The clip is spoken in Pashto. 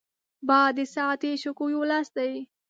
باد د ساعتي شګو یو لاس دی